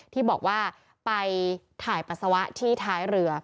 ที่บอกว่าไปถ่ายปัสสาวะที่ท้ายเรือ